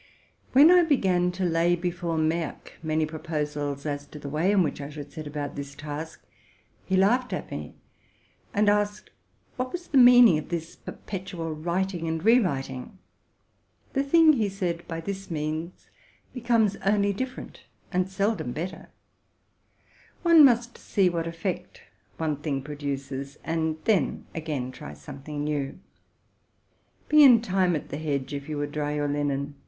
When I began to lay before Merck many proposals as to the way in which I should set about this task, he laughed at me, and asked what was the meaning of this perpetual writ ing and re writing? The thing, he said, by this means, be comes only different, and seldom better: one must see what effect one thing produces, and then again try something new. '' Be in time at the hedge, if you would dry your linen!"